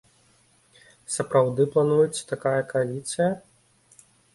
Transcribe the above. Сапраўды плануецца такая кааліцыя?